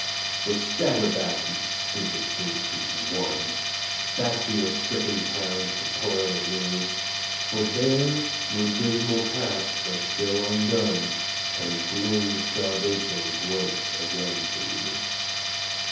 So stagger back, you stupid dupes who've "won," Back to your stricken towns to toil anew, For there your dismal tasks are still undone And grim Starvation gropes again for you.